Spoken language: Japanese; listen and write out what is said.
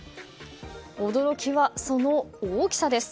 驚きは、その大きさです。